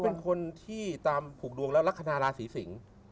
เป็นคนที่ตามผูกดวงแล้วลักษณะราศีสิงศ์